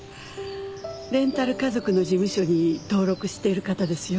レンタル家族の事務所に登録している方ですよ。